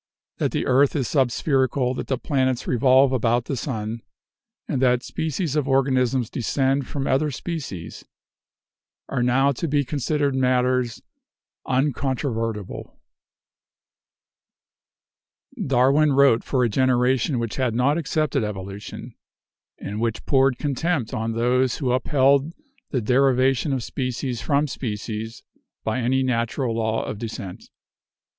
That the earth is subspherical, that the planets revolve about the sun, and that species of organisms descend from other species, are now to be considered matters uncontrovertible. Darwin wrote for a generation which had not accepted evolution, and which poured contempt on those who upheld the derivation of species from species by any natural law of descent.